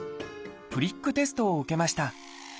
プリックテストを受けました。